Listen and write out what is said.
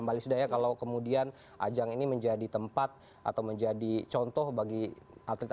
balisdanya kalau kemudian ajang ini menjadi tempat atau menjadi contoh bagi atlet atlet jalan tengah